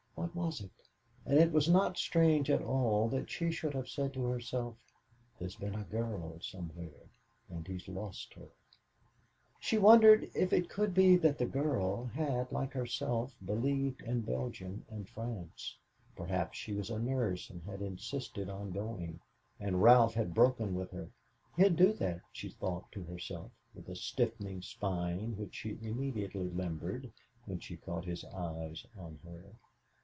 What was it? And it was not strange at all that she should have said to herself, "There's been a girl somewhere, and he's lost her." She wondered if it could be that the girl had like herself believed in Belgium and France. Perhaps she was a nurse and had insisted on going, and Ralph had broken with her. He'd do that, she thought to herself, with a stiffening spine which she immediately limbered, when she caught his eyes on her.